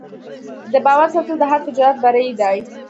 د باور ساتل د هر تجارت بری دی.